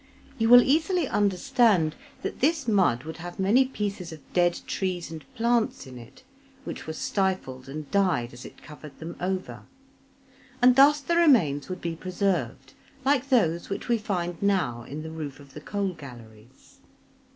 You will easily understand that this mud would have many pieces of dead trees and plants in it, which were stifled and died as it covered them over; and thus the remains would be preserved like those which we find now in the roof of the coal galleries.